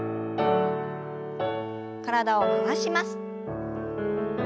体を回します。